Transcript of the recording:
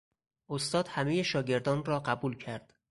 استاد همهی شاگردان را قبول کرد.